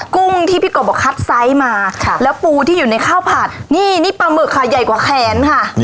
กุ้งที่พี่กบบอกคัดไซส์มาแล้วปูที่อยู่ในข้าวผัดนี่นี่ปลาหมึกค่ะใหญ่กว่าแขนค่ะ